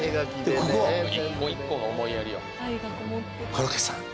「コロッケさん